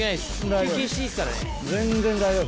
休憩していいですからね。